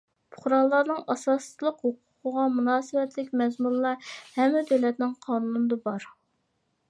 پۇقرالارنىڭ ئاساسلىق ھوقۇقىغا مۇناسىۋەتلىك مەزمۇنلار ھەممە دۆلەتنىڭ قانۇنىدا بار.